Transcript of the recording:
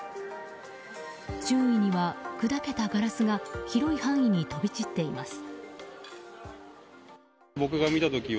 周囲には砕けたガラスが広い範囲に飛び散っています。